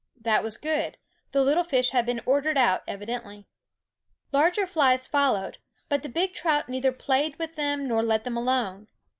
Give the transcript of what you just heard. That was good; the little fish had been ordered out, evidently. Larger flies followed; but the big trout neither played with them nor let them alone.